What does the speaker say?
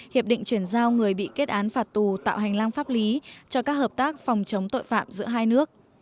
hiệp định chuyển giao người bị kết án phạt tù tạo hành lang pháp lý cho các hợp tác phòng chống tội phạm giữa hai nước